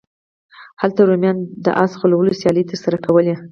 هلته رومیانو د اس ځغلولو سیالۍ ترسره کولې.